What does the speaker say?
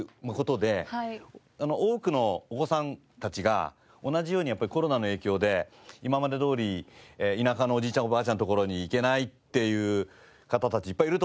多くのお子さんたちが同じようにやっぱりコロナの影響で今までどおり田舎のおじいちゃんおばあちゃんの所に行けないっていう方たちいっぱいいると思うんですよね。